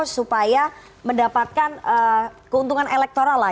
supaya mendapatkan keuntungan elektoral lah